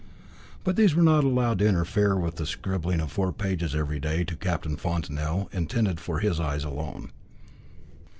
But these were not allowed to interfere with the scribbling of four pages every day to Captain Fontanel, intended for his eyes alone.